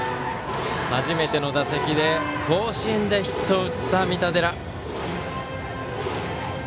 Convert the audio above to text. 初めての打席で甲子園でヒットを打った三田寺。